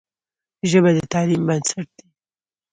ژبه د تعلیم بنسټ دی.